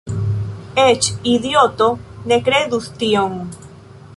Eĉ idioto ne kredus tion.